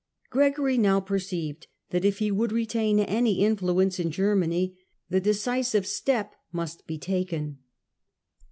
Gregory now perceived that, if he would re tain any influence in Germany, the decisive step must be taken.